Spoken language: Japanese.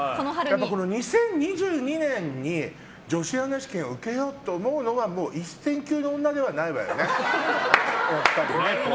２０２２年に女子アナ試験を受けようと思うのはもう一線級の女ではないわよね。